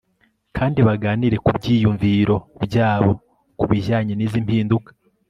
kandi baganire ku byiyumviro byabo kubijyanye n'izi mpinduka